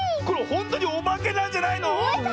ほんとにおばけなんじゃないの⁉